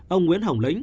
ông nguyễn hồng lĩnh